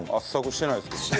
してないです。